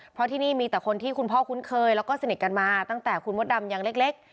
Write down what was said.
เพราะที่นี่มีแต่คนที่คุณพ่อคุ้นเคยแล้วก็สนิทกันมาตั้งแต่คุณมดดำยังเล็ก